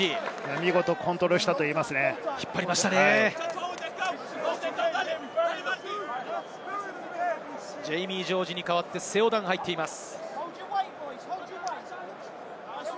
見事コントロールしたとジェイミー・ジョージに代わってセオ・ダンが入っています。